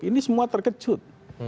ini semua terkejut